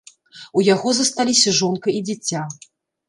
У яго засталіся жонка і дзіця.